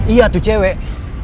iya tuh cewek